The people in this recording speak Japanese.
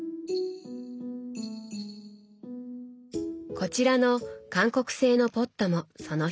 こちらの韓国製のポットもその一つ。